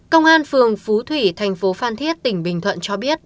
công an phường phú thủy thành phố phan thiết tỉnh bình thuận cho biết